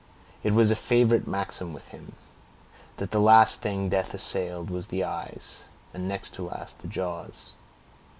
It was a favorite maxim with him, that the last thing death assailed was the eyes, and next to the last, the jaws.